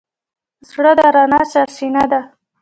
زړه د رڼا سرچینه ده.